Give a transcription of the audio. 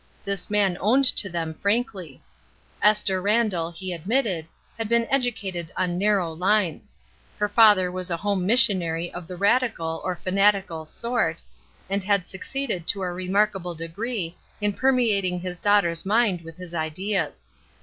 This man owned to them frankly. Esther Randall, he admitted, had been educated on narrow Unes ; her father was a home missionary of the radical, or fanatical, sort, and had suc ceeded to a remarkable degree in permeating his daughter's mind with his ideas.